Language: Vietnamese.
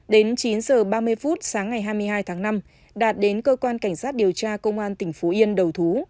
đến chín h ba mươi phút sáng ngày hai mươi hai tháng năm đạt đến cơ quan cảnh sát điều tra công an tỉnh phú yên đầu thú